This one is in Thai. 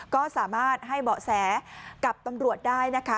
ก็สามารถให้เบาะแสกับตำรวจได้นะคะ